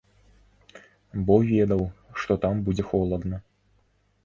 Бо ведаў, што там будзе холадна.